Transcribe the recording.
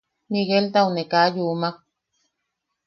Migueltau ne kaa yumak.